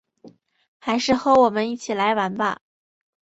还是和我们一起来玩吧